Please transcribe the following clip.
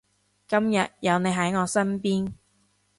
今日有你喺我身邊